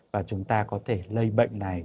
và chúng ta có thể lây bệnh này